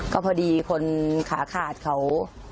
ก็พอดีคนขาขาดเขา